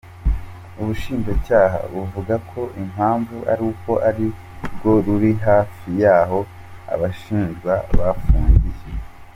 Ubushinjacyaha buvuga ko impamvu ari uko ari rwo ruri hafi y’aho abashinjwa bafungiye.